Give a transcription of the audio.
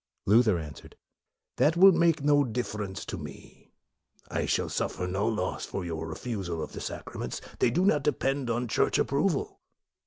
Luther answered, " That will make no difference to me. I shall suffer no loss by your refusal of the sacraments: they do not depend on Church approval.'